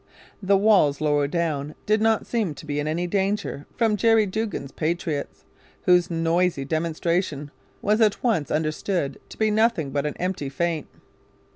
The walls lower down did not seem to be in any danger from Jerry Duggan's 'patriots,' whose noisy demonstration was at once understood to be nothing but an empty feint.